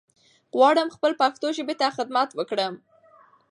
غواړم خپل پښتو ژبې ته خدمت وکړم